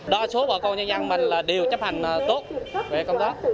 đa số bà con nhân dân mình đều chấp hành tốt về công tác